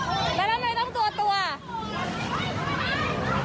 อีมีชอบจบ